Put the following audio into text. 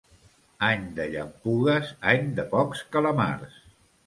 Any de llampugues, any de pocs calamars.